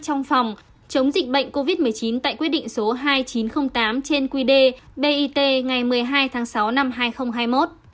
trong phòng chống dịch bệnh covid một mươi chín tại quyết định số hai nghìn chín trăm linh tám trên quy đề bit ngày một mươi hai tháng sáu năm hai nghìn hai mươi một